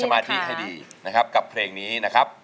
มาธิให้ดีนะครับกับเพลงนี้นะครับ